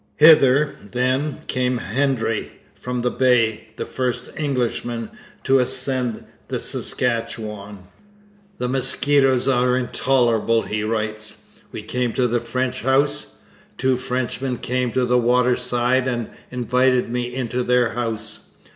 Hither, then, came Hendry from the Bay, the first Englishman to ascend the Saskatchewan. 'The mosquitoes are intolerable,' he writes. 'We came to the French house. Two Frenchmen came to the water side and invited me into their house.